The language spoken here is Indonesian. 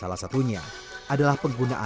kalau kita pukul tadi